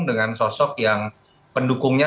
sebagai sosok yang pendukungnya